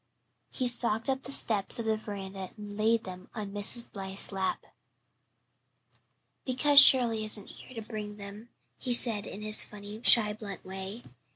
He stalked up the steps of the veranda and laid them on Mrs. Blythe's lap. "Because Shirley isn't here to bring them," he said in his funny, shy, blunt way.